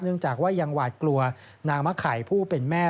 จากว่ายังหวาดกลัวนางมะไข่ผู้เป็นแม่